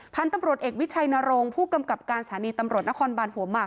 พันธุ์ตำรวจเอกวิชัยนรงค์ผู้กำกับการสถานีตำรวจนครบานหัวหมาก